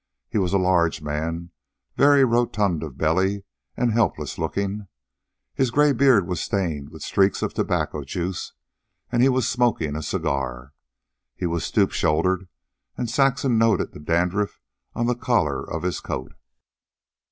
He was a large man, very rotund of belly and helpless looking. His gray beard was stained with streaks of tobacco juice, and he was smoking a cigar. He was stoop shouldered, and Saxon noted the dandruff on the collar of his coat.